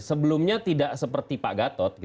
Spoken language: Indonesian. sebelumnya tidak seperti pak gatot